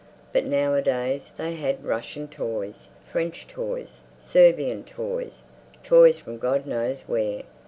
But nowadays they had Russian toys, French toys, Serbian toys—toys from God knows where.